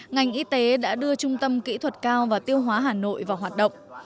ngành y tế đã đưa trung tâm kỹ thuật cao và tiêu hóa hà nội vào hoạt động